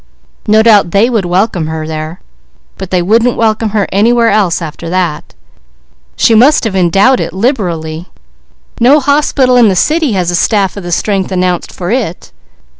No doubt they would welcome her there, but they wouldn't welcome her anywhere else. She must have endowed it liberally, no hospital in the city has a staff of the strength announced for it."